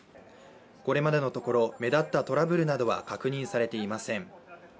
これまでのところ目立ったトラブルなどは確認されていません。